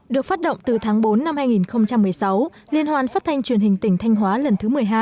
được phát động từ tháng bốn năm hai nghìn một mươi sáu liên hoàn phát thanh truyền hình tỉnh thanh hóa lần thứ một mươi hai